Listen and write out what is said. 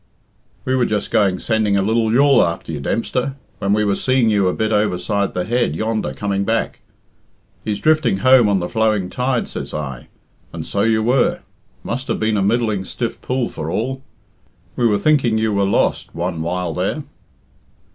"We were just going sending a lil yawl after you, Dempster, when we were seeing you a bit overside the head yonder coming back. 'He's drifting home on the flowing tide,' says I, and so you were. Must have been a middling stiff pull for all. We were thinking you were lost one while there."